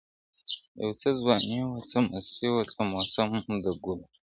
يو څه ځواني وه، څه مستي وه، څه موسم د ګُلو،